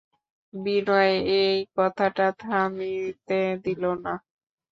বিনয় এই কথাটকে থামিতে দিল না।